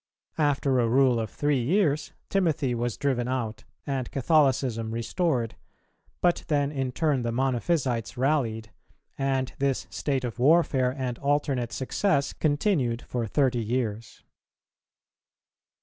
[319:1] After a rule of three years, Timothy was driven out and Catholicism restored; but then in turn the Monophysites rallied, and this state of warfare and alternate success continued for thirty years.